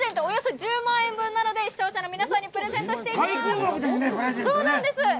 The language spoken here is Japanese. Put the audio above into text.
およそ１０万円なので、視聴者の皆さんにプレゼントしていきます。